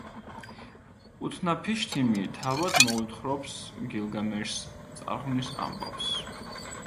უთნაფიშთიმი თავად მოუთხრობს გილგამეშს წარღვნის ამბავს.